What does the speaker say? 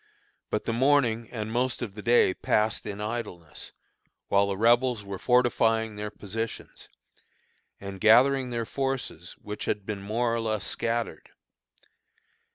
But the morning and most of the day passed in idleness, while the Rebels were fortifying their positions, and gathering their forces which had been more or less scattered.